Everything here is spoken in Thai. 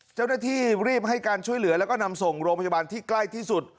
เจ้าหน้าที่รีบให้การช่วยเหลือแล้วก็นำส่งโรงพยาบาลที่ใกล้ที่สุด